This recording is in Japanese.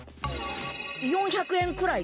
４００円くらいかな。